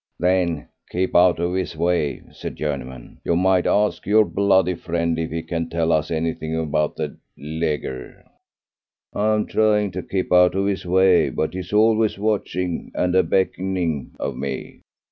"Then keep out of his way," said Journeyman. "You might ask your bloody friend if he can tell us anything about the Leger." "I'm trying to keep out of his way, but he's always watching and a beckoning of me."